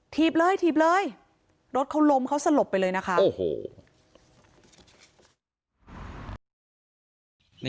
ถีบเลยถีบเลยรถเขาล้มเขาสลบไปเลยนะคะโอ้โห